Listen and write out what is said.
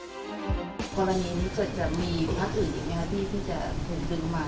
ตอนนี้จะมีภักดิ์อื่นอย่างไรนะที่จะถูกดึงมา